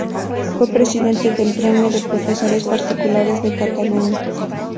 Fue presidente del Gremio de Profesores Particulares de Cataluña.